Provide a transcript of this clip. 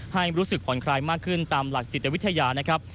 ให้รู้สึกผ่อนคลายมากขึ้นตามหลักจิตวิทยานะครับ